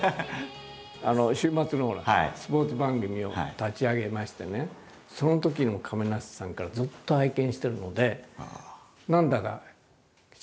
週末のスポーツ番組を立ち上げましてねそのときの亀梨さんからずっと拝見してるので何だか親戚のような感じっていうか。